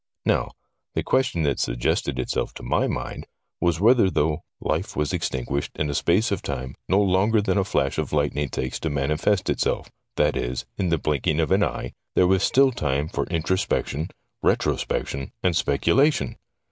Now, the question that suggested itself to my mind was whether though life was extinguished in a space of time no longer than a flash of lightning takes to manifest itself, that is, in the blinking of an eye, there was still time for introspection, retrospection, and speculation